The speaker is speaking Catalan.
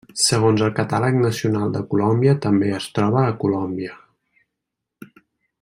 Segons el Catàleg Nacional de Colòmbia també es troba a Colòmbia.